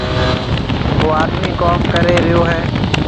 او آڏمِي ڪوم ڪري ريو هيَ۔